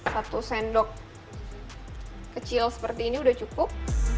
satu sendok kecil seperti ini sudah cukup